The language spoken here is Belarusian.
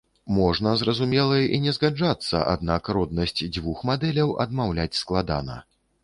Можна, зразумела, і не згаджацца, аднак роднаснасць дзвюх мадэляў адмаўляць складана.